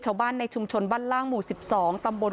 ชาวบ้านในชุมชนบ้านล่างหมู่๑๒ตำบล